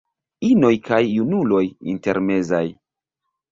Inoj kaj junuloj intermezaj.